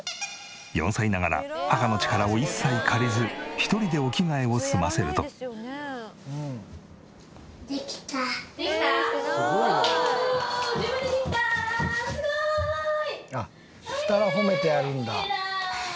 ４歳ながら母の力を一切借りず１人でお着替えを済ませるとしたら褒めてあげるんだ。